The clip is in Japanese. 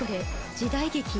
時代劇？